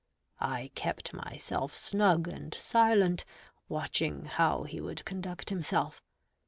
I kept myself snug and silent, watching how he would conduct himself.